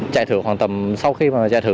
chạy thử khoảng tầm sau khi chạy thử